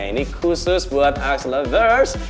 ini khusus buat akslovers